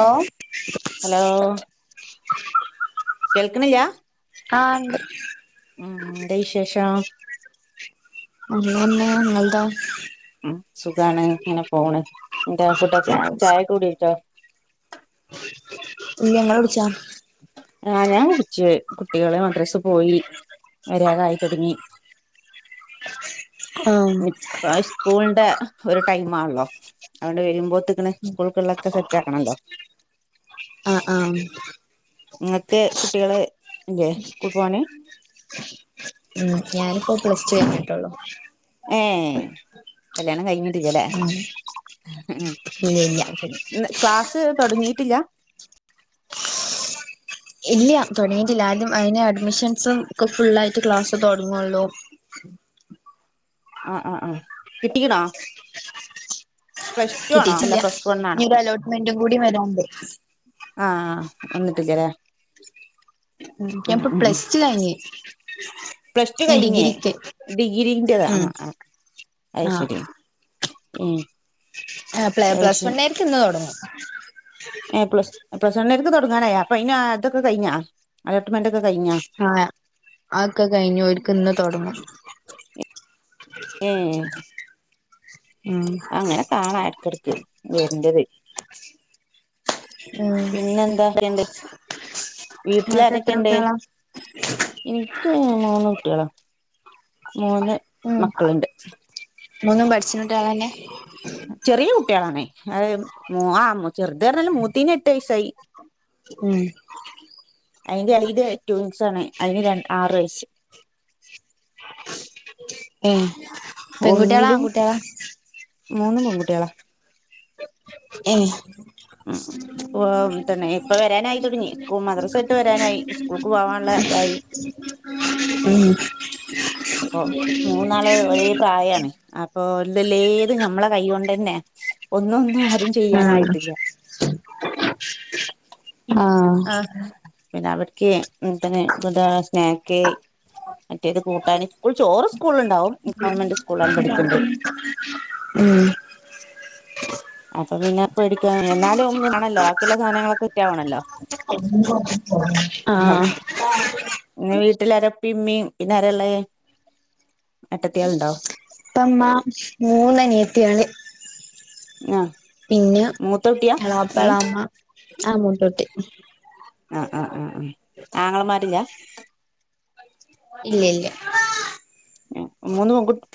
Hello hello [inaudible] കേൾക്കണില്ലാ ആഹ ഉണ്ട് ഉം എന്താ വിശേഷം? ഒന്നുല്ല ഇങ്ങളതോ ഉം സുഖാണ് ഇങ്ങനെ പോണ് എന്താ ഫുഡൊക്കെ ചായ ചായക്കെ കൂടിച്ചോ? ഇല്ല ഇങ്ങൾ കുടിച്ചോ? ആഹ ഞാൻ കുടിച്ച് കുട്ടികള് മദ്രസ് പോയി വരാറായി തുടങ്ങി. ആഹ ഇപ്പ സ്കൂളിന്റെ ഒരു ടൈമാണല്ലോ അതോണ്ട് വരുമ്പോത്തിന് അങ്ങനെ സ്കൂൾക്കുള്ളൊക്കെ സെറ്റാക്കണല്ലോ ആഹ ആഹ. ഇങ്ങക്ക് കുട്ടികള് ഇല്ലേ സ്കൂൾ പോവാന്. ഉം ഞാനിപ്പോ പ്ലസ് ടു കഴിഞ്ഞിട്ടൊള്ളൂ. ഏയ്യ് കല്യാണം കഴിഞ്ഞിട്ടില്ലല്ലേ ഉം ഉം ഇല്ല ഇല്ല അത് ശരി. ക്ലാസ് തുടങ്ങിയിട്ടില്ല ഇല്ല തുടങ്ങിയിട്ടില്ല ആദ്യം അയിന് അഡ്മിഷൻസും ഒക്കെ ഫുള്ളായിട്ട് ക്ലാസ്സ് തുടങ്ങയുള്ളൂ. ആഹ് ആഹ് ആഹ് കിട്ടിക്കണാ ആണോ അല്ല കിട്ടീട്ടില്ല പ്ലസ് വൺ ആണോ ഇനി ഒരു അലോട്ട്മെന്റും കൂടി വരണ്ട് ആഹ് വന്നിടില്ലല്ലേ പ്പൊ പ്ലസ് ടു കഴിഞ്ഞ് പ്ലസ് ടു ഇനി കഴിഞ്ഞ് ഡിഗ്രിക്ക് ഡിഗ്രീൻറതാണ് ഉം ആഹ് ആഹ് അത് ആഹ് ശരി ഉം ആഹ പ്ല അത് പ്ലസ് വൺ ആരിക്കും ഇന്ന് തുടങ്ങും ഏഹ് പ്ലസ് പ്ലസ്ണ്ണിലൊക്ക് തുടങ്ങാനായ അപ്പ അന് അതൊക്കെ കഴിഞ്ഞാ അലോ്മെന്റ്ക്കെ കഴിഞ്ഞോ ആഹ് ആക്കെ കഴിഞ്ഞു ഓൽക്ക് ഇന്ന് തുടങ്ങും ഏഹ് ആഹ് ണ് അടുക്കിടക്ക് വേല്ല്യത് ഉം പിന്നെന്തക്കെയണ്ട് നിങ്ങൾക്ക് എത്ര വീട്ടിലാരൊക്കെയുണ്ട് കുട്ടികളാ എനിക്ക് മൂന്ന് കുട്ടികളാ മൂന്ന് മക്കളുണ്ട് മുന്നും പഠിച്ച്ണ കുട്ട്യാളന്നെ ചെറിയ കുട്ടികളാണേ ഉം ആഹ് ചെറുത് പറഞ്ഞല്ലും മൂത്തീന് എട്ട് വയസ്സായി ഉം അതിന്റെ എല് ട്യൂൻസ് ആണ് അതിന് ര ആറ് വയസ്സ് ആഹ് ഒന്നിലും മൂന്നും പെൺകുട്ടികളാ ഉം ഉം. ഓഹ് തന്നെ ഇപ്പം വരാനായി തുടങ്ങി സ്കൂ മദ്രസ വിട്ട് വരാനായി സ്കൂൾക്ക് പോവാനുള്ള ഇതായി ഉം അപ്പോ മൂന്നാള് ഒരേ പ്രായമാണ് അപ്പൊ ഏതും ഞമ്മളെ കൈകൊണ്ട് തന്നെ- ഒന്നും ഒന്നും ആരും ആണോ ചെയ്യാനായിട്ടില്ല [inaudible] ആഹ് ആഹ് പിന്നെ അവർക്ക് ഇപ്പ ദാ സ്നാക്ക്- മറ്റേത് കൂട്ടാന് ചോറ് സ്കൂള് ഉണ്ടാവും ഗവൺമെന്റ് സ്കൂലിലാണ് പഠിക്കണ്ട് [inaudible] ഉം അപ്പൊ പിന്നെ പേടിക്ക എന്നാലും വാണല്ലോ ബാക്കിയുള്ള സാധനങ്ങളൊക്കെ സെറ്റാവണല്ലോ ആഹ് പിന്നെ വീട്ടില് ആരാ ഉപ്പിം ഉമ്മിം പിന്നെ അരായുള്ളെ ഏട്ടത്തിയാളുണ്ടോ ഉപ്പ ഉമ്മ മൂന്നനിയത്തിയള് ആഹ് പിന്നെ മൂത്ത കുട്ടിയാ നീ എളാപ്പടെ അമ്മ ആ മൂത്തകുട്ടി ആഹ് ആഹ് ആഹ് ആങ്ങളമാരില്ല ഇല്ല ഇല്ല ഉം മൂന്ന്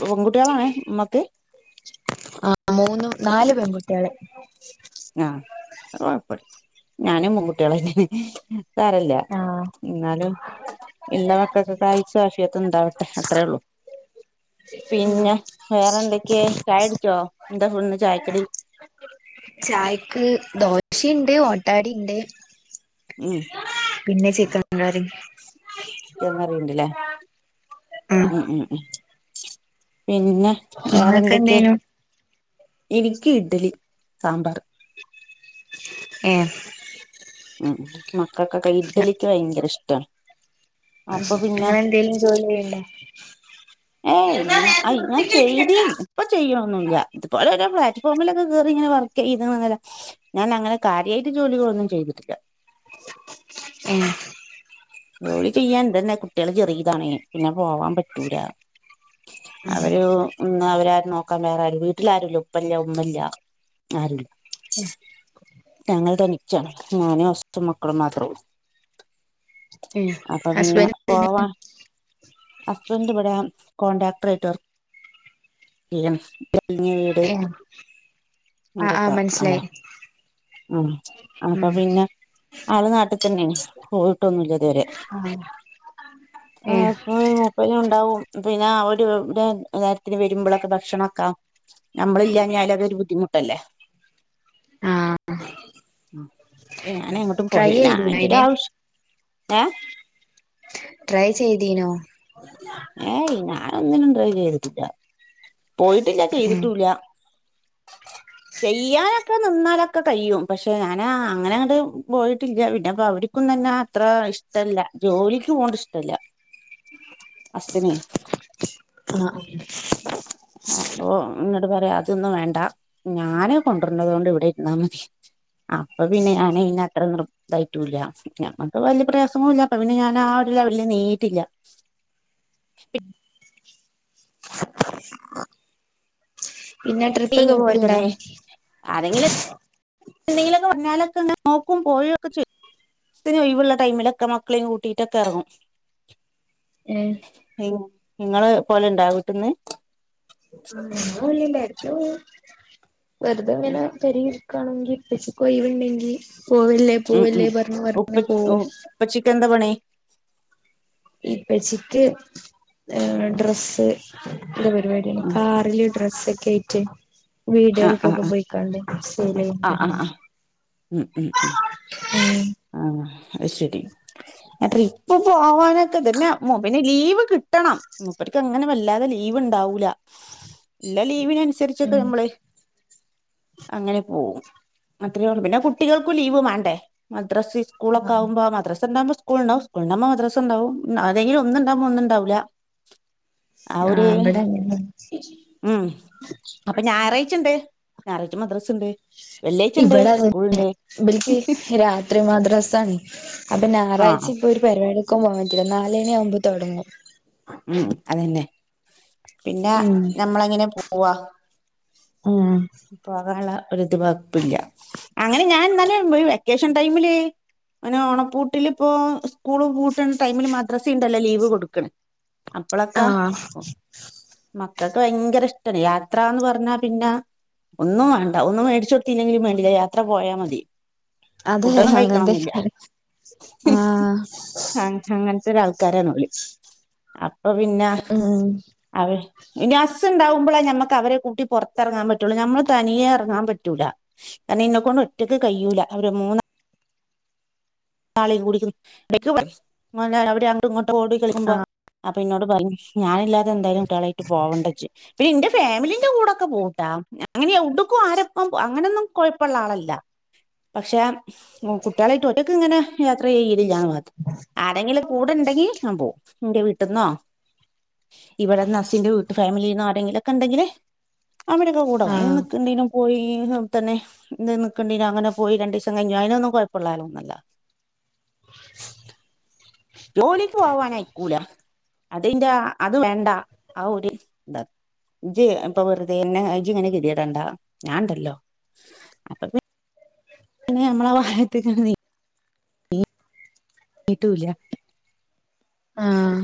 പെൺകുട്ടിയികളാണ് നമ്മൾക്ക് ആഹ് മൂനും നാലു പെൺകുട്ടികള് ആഹ് അത് കൊഴപ്പല്ല ഞാനും പെൺകുട്ടികളന്നെ സാരയില്ല ആഹ് എന്നാലും- എല്ലാ മക്കൾക്കും ദീർഘായുസ്സും ആഫിയത്തും ഉണ്ടാവട്ടെ അത്രേ ഉള്ളൂ പിന്നെ വേറെ എന്തൊക്കെയ ചായകുടിച്ചോ എന്താ ഇന്ന് ചായക്കടി ചായക്ക് ദോശയിണ്ട് ഓട്ടാവടയിണ്ട് ഉം പിന്നെ ചിക്കൻ കറി ചിക്കൻ കറി ഉണ്ട് ഇല്ലേ ഉം ഉം ഉം പിന്നെ- നിങ്ങൾക്ക് വേറെന്തൊക്കെയാ എന്തേനു എനിക്ക് ഇഡ്ലി സാമ്പാറ് ഏഹ് ഉം മക്കൾക്കൊക്കെ ഇഡ്ഡലിക്ക്‌ ഭയങ്കര ഇഷ്ടാ ഉം ഇങ്ങള് എന്തെലും ജോലി ചെയ്യുന്നുണ്ടോ ഏയ് ഇല്ലാ ഞാൻ ചെയ്തിരുന്നു ഇപ്പൊ ചെയ്യുയൊന്നുമില്ല ഇതുപോലെ ഓരോ പ്ലാറ്റ്ഫോമിലക്കെ കേറി ഇങ്ങനെ വർക്ക് ചെയ്യുന്നത് അല്ലാതെ- ഞാൻ അങ്ങനെ കാര്യമായിട്ട് ജോലികളൊന്നും ചെയ്തിട്ടില്ല ഉം ജോലി ചെയ്യാന്ണ്ട്ന്നാ കുട്ടികള് ചെറിയതാണേ പിന്നെ പോവാം- പറ്റൂല്ല അത് ഒരു- ഇന്നാ അവരാരും നോക്കാൻ വേറെ ആരുംയില്ല വീട്ടില് ആരുംയില്ല ഉപ്പയില്ല ഉമ്മയില്ല ആരുയില്ല ആഹ [unintelligible] ഞങ്ങൾ തനിച്ചാണ് ഞാനും ഹസ്ബൻഡ് മക്കളും മാത്രഉള്ളൂ [inaudible] അപ്പൊ പിന്നെ ഹസ്ബൻഡ് പോവാൻ ഹസ്ബൻഡ് ഇവിടെ കോൺണ്ടാക്ടർ ആയിട്ട് വർക്ക്- വലിയ ഏ ആഹ് ആഹ് വീട്ൻ്റെക്കെ ആളാ മനസ്സിലായി ഉം അപ്പൊ ഉം പിന്നെ- ആളു നാട്ടിൽ തന്നെയാണ് പോയിട്ടൊന്നുമില്ല ഇതുവരെ ആഹ് ഏ അപ്പൊ- പിന്നെ ഒണ്ടാവൂമോ പിന്നെ അവര് രാത്രി വരുമ്പോ ഒക്കെ ഭക്ഷണക്കെ- നമ്മള് ഇല്ലെങ്കി അതിനൊരു ബുദ്ധിമുട്ടല്ലേ ആഹ് ആഹ് ഏ ഞാൻ എങ്ങോട്ടും ട്രൈ പോവില്ല ചെയ്തീനോ ഞാൻ ഇൻ്റെ അയിന് ആവശ്യം ഏഹ് ട്രൈ ചെയ്തീനോ ഉം ഏയ് ഞാനൊന്നിനും ട്രൈ ചെയ്തിട്ടില്ല പോയിട്ടില്ല ഏ ചെയ്തിട്ടുല്ല ചെയ്യാനൊക്കെ നിന്നാലൊക്കെ ചെയ്യാനൊക്കെ നിന്നാ അതൊക്കെ കഴിയും പക്ഷേ ഞാനാ അങ്ങനാണ്ട് പോയിട്ടില്ല പിന്ന അപ്പൊ അവര് ക്കും തന്നെ അത്ര ഇഷ്ടമല്ല ജോലിക്ക് പോക്ണ് ഇഷ്ടല്ല ഹസ്സിന് ആഹ് ഉം അപ്പൊ എന്നോട് പറയാ അതൊന്നും വേണ്ട ഞാന് കൊണ്ടര്ന്നോണ്ട് ഇവിടെ ഇരുന്നാ മതി അപ്പൊ പിന്നെ ഞാൻ അതിന് അത്ര നിർ ന്തായിട്ടുംല്ല ഞങ്ങൾക്ക് വലിയ പ്രയാസങ്ങളുല്ല അപ്പൊ പിന്നെ ഞാൻ ആ ഒരു ലെവലിൽ നീങ്ങീറ്റില്ല പിന്നെ ട്രിപ്പൊക്കെ പോവലുണ്ടോ പിന്നെ ആരെങ്കിലും എന്തെങ്കിലൊക്കെ വന്നാലൊക്കെ നോക്കും പോയൊക്കെ ചെയ്യും സ്തിന് ഒഴിവുള്ള ടൈമിലൊക്കെ മക്കളെയും കൂട്ടിട്ടൊക്കെ എറങ്ങും ഏഹ് നിങ്ങള് പോവല്ണ്ടോ വിട്ടിന്ന് [unintelligible] വെർതെങ്ങനെ ഉം വെർതെങ്ങനെ പെരീല് ഇരിക്കുമ്പോ ക്കാണെങ്കി സ്കൂള് ലീവ്ണ്ടങ്കി പോവല്ലേ പോവല്ലേ പറഞ്ഞ് പറഞ്ഞ് പോവും ഇപ്പച്ചിക്ക് എന്താ പണി ഇപ്പച്ചിക്ക് ഏ ഡ്രസ്സ് അങ്ങന പരുപാടി ഉം കാറില് ഡ്രസ്സൊക്കെ ആയിട്ട് ആ ആ വീടുകൾക്കൊക്കെ ആ പോയിട്ട് ക്കാണ്ട് ആ ആ ആ [unintelligible] ഉം ആഹ് അത്ശരി ട്രിപ്പ് പോവാനൊക്കെ തന്നെ പിന്നെ ലീവ് കിട്ടണം മൂപ്പര്ക്ക് അങ്ങനെ വല്ലാതെ ലീവ്ണ്ടാവൂല ഇല്ല ലീവിന് അനുസരിച്ചൊക്കെ ഉം നമ്മള് അങ്ങനെ ഓഹ് അത്രയൊള്ളൂ പിന്നെ കുട്ടികൾക്കും ലീവ് വാണ്ടേ മദ്രസിം സ് സ്കൂളൊക്കെ ആഹ് ആവുമ്പോ മദ്രസ ഉണ്ടാവും മദ്രസ ഉണ്ടാവുമ്പോ സ്ക്കൂൾണ്ടാവൂല ഏതെങ്കിലും ഒന്ന്ണ്ടാവുമ്പോ ഒന്ന്ണ്ടാവൂല്ല ആ ഒരു ആഹ് ഇവിടെ അങ്ങനെന്നെ ഉം അപ്പൊ ഞായറായിച്ചണ്ട് ഞാറായ്ച്ച മദ്രസണ്ട് ഇവടെ തന്നെ ഇവല്ക്ക് രാത് ത്രി മദ്രസാണ് അപ്പൊ ആ ഞാറാഴ്ച ഇപ്പോ ഒരു പരിപാടിക്കു പോവാൻ പറ്റില്ല നാലണി ആവുമ്പോ തൊടങ്ങും ഉം അതന്നെ പിന്നാ ഉം നമ്മളങ്ങെനെ പോവാ ഉം പോകാനുള്ള ഒരിത് വക്പ്പില്ല്യ അങ്ങനെ ഞാൻ ഇന്നലെ വെക്കേഷൻ ടൈമില് എങ്ങനെ ഓണപ്പൂട്ടിലിപ്പോ സ്കൂള്പൂട്ടണ ടൈമില് മദ്രസിണ്ടല്ലോ ലീവ് കൊടുക്കണ് അപ്പളൊക്കെ ആഹ് മക്കക്ക് വയങ്കരഷ്ടാണ് യാത്രാന്ന് പറഞ്ഞാപിന്നെ ഒന്നുംവാണ്ട ഒന്നും മേടിച്ചോടുതില്ലെങ്കിലു വേണ്ടില്ല യാത്ര പോയാൽ മതി അതെ ഫുഡൊന്നും കഴിക്കണംന്നില്ല അങ്ങന്തന്നേണ് ആഹ് അങ്ങൻത്തൊരാൾക്കാരാണോല് അപ്പൊപിന്നെ ഉം അവര് ഇനി ഹസ്സുണ്ടാവുമ്പളേ ഞമ്മക്ക് അവരെ കൂട്ടി പെർത്ത് എറങ്ങാൻ പറ്റുള്ളൂ നമ്മള് തനിയെ എറങ്ങാൻ പറ്റൂല കാരണഇന്നെക്കൊണ്ട് ഒറ്റക്ക് കയ്യൂലാ അവരമൂന്നാ ന്നാളീംകൂടി ഇടക്ക് [unintelligible] അവിടെ അങ്ങ്ട്ടു ഇങ്ങട്ട് ഓടി കളിക്കുമ്പോ അപ്പന്നോട് പറഞ്ഞു ഞാനില്ലാതെ എന്തായാലും കുട്ട്യളായിട്ട് പോവേച്ച് പിന്നെന്റെ ഫാമിലിന്റെ കൂടെക്കെ പോഉട്ടാ അങ്ങനെ എവുടുക്കും ആരപ്പം അങ്ങനൊന്നും കെഴപ്പള്ളാളല്ല. പക്ഷെ കുട്ട്യാളായിട്ട് ഒറ്റക്കിങ്ങനെ യാത്ര ചെയ്യലില്ലാന്ന് മാത്രം ആരെങ്കിലൊ കൂടെണ്ടെങ്കി ഞാൻപോവും ഇന്റെ വീട്ടിന്നോ ഇവിടെന്ന അസ്സിന്റെ വീട്ട്ഫാമിലിന്നാരേങ്കിലൊക്കെ ണ്ടെങ്കില് അവരക്കേ കൂടെ ആഹ് അയിനിക്കണ്ടെങ്കിലും പോയി തന്നെ നി നിൽക്കേണ്ടിരാ അങ്ങനെ പോയി രൻണ്ടീസം കയിഞ്ഞു അയിനൊന്നും കൊയപ്പള്ളാളൊന്നുല്ല. [inaudible] ജോലിക്ക് പോവനയിക്കൂലാ അതയ്ന്റെ അത് വേണ്ട ആ ഒരു ഇതാ ഇജ് ഇപ്പൊ വെറുതെ ഇനങ്ങ ഇജി ഇങ്ങനെ ഗതിയടണ്ടാ ഞാണ്ടല്ലോ അപ്പൊ പി പിന്നെ നമ്മളാ ഭാഗത്ത്ക്ക്ങ്ങട് നീ നീട്ടൂല്ലാ ആഹ്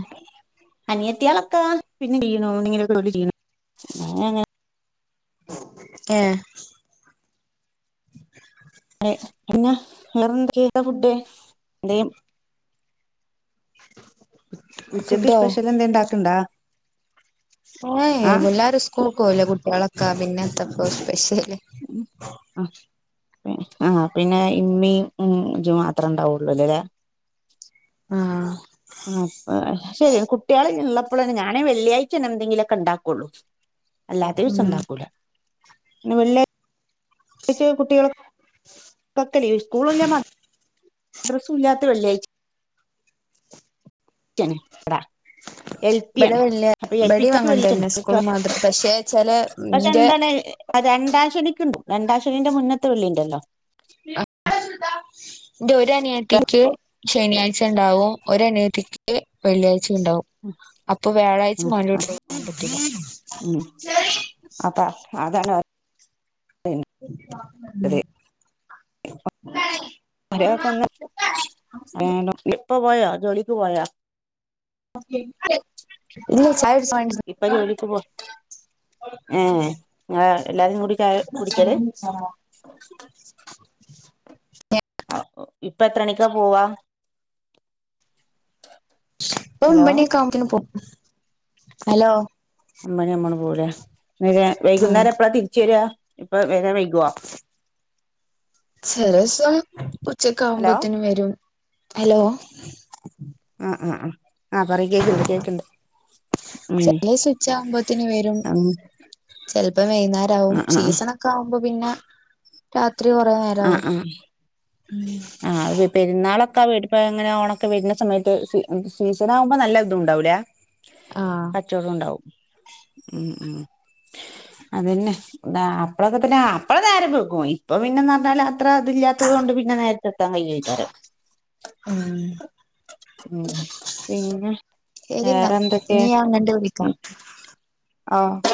അനിയത്തിയാളൊക്കാ പിന്നേ [unintelligible] ന്തേങ്കിലൊക്കെ ജോലി ചെയ്യുണു ഏഹ് പിന്നേ വേറെന്തൊക്കേ ഫുഡേ എന്തെയു ഉച്ചക്ക് ഫുഡോ സ്പെഷ്യൽ എന്തെ ണ്ടാക്ക്ണ്ടാ? ഓയ് വെല്ലാരും സ്കൂൾക്കോയിലെ കുട്ട്യാളൊക്കാ പിന്നെ എന്തക്ക സ്പെഷ്യല്. ഉം ആഹ് ആഹ് പിന്നെ ഇമ്മീ ഉം ഇജു മാത്രണ്ടാവുള്ളൂലല്ലേ? ആഹ് അ ശെരി കുട്ട്യാളെള്ളപ്പോളാ ഞാനേ വെള്ളിയായ്ചന്നെ എന്തെങ്കിലുക്കെ ണ്ടാക്കുള്ളൂ. അല്ലാത്ത ഉം ദിവസണ്ടാക്കൂല വെള്ളി ച്ച് കുട്ട്യള്ക്കൊക്കേ ലീവ് സ്കൂള്ല്ല്യാ മദ്ര ദ്രസു ഇല്ലാത്ത വെള്ളിയായ് ചാണ് വടെ എൽ പി ഇവിടെ യാണ് വല്യ അപ്പൊ ഇബടിം എൽപിക്കാർക് അങ്ങനെ തന്നെ വെള്ളിയായ്ച്ചണ്ട് സ്കൂളും മദ്ര പക്ഷെ ചെല പഷെ ഇന്റെ എന്താണ് ആ രണ്ടാശെനിക്ണ്ട് രണ്ടാ ശെനിന്റെ മുന്നത്തെ വെള്ളിയിണ്ടല്ലോ ൻ്റൊരനിയത്തിക്ക് ശനിയാഴ്ച ണ്ടാവും ഒരനിയത്തിക്ക് വെള്ളിയായ്ച്ചിഇണ്ടാവും. ഉം, അപ്പൊ വ്യാഴാഴ്ച ഉം, ഇമ്മാന്റെ വ്ട്ട്ക്ക് [unintelligible] അപ്പ അതാണ് ഉം പറഞ്ഞത് പണീലക്കെന്ന് ഇപ്പ പോയ ജോലിക്ക് പോയാ? ഇല്ല ചായുടിച്ച [unintelligible] ഏഹ് ഏ എല്ലാരുകൂടി ചായ കുടിക്കല്? ആഹ് ആഹ് ഇപ്പ എത്രണിക്കാ പോവ്വാ? പ്പ ഒമ്പണിയൊക്കാവുമ്പത്തിന് പോകും, ഹലോ. ഒമ്പണി ആകുമ്പട് പോവുലേ നേരെ ആഹ് വൈകുന്നേരം എപ്പളാ തിരിച്ച് വരാ ഇപ്പോ വരാൻ വൈകുഓ? ചെലോസം ഹലോ ഉച്ചക്കാകുമ്പത്തേനും വരും, ഹലോ ആ ആ ആഹ് ആ പറയ് കേക്ക്ണ്ട് കേക്ക്ണ്ട്. ചെലീസം ഉച്ചാവുമ്പത്തിന് വരും ഉം ചെൽപ്പോ വൈന്നേരാവും ആ ആ ആ സീസണൊ ക്കാകുമ്പോ പിന്നെ രാത്രി കൊറേ ആഹ് നേരാവും ആഹ് ഉം. ആഹ് പെരുന്നാളൊക്കെ വേടിപ്പ അങ്ങനെ ഓണൊക്കെ വരുന്ന സമയത്ത് സ സീസണാകുമ്പോ നല്ല ഇതുണ്ടാവൂലേ. ആഹ് കച്ചവടോണ്ടാവും ഉം ഉം. അതന്നെ അപ്പലക്കൊത്തെന്നേ അപ്പഴ ന്നേരം വേഗ്ഗും ഇപ്പൊ പിന്നെ എന്നാല അത്ര ഇതില്ലാത്തത് കൊണ്ട് പിന്നെ നേര്ത്തെ എത്താൻ കൈയ്യേക്കാരം. ഉം ഉം പിന്നെ ശരിന്ന വേറെ എന്തൊക്കെ ഇനി ഞാൻ അങ്ങട്ട് വിളിക്ക ആഹ്